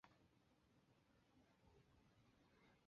华纳兄弟公司参与制作与发行。